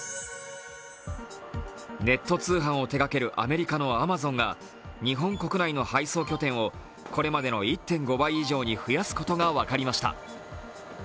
ネット通販を手がけるアメリカのアマゾンが、日本国内の配送拠点をこれまでの１．５倍以上に増やすことが分かりました。